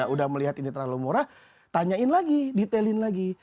udah melihat ini terlalu murah tanyain lagi detailin lagi